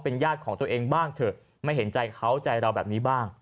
ญาติของตัวเองบ้างเถอะไม่เห็นใจเขาใจเราแบบนี้บ้าง